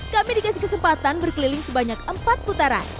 kami dikasih kesempatan berkeliling sebanyak empat putaran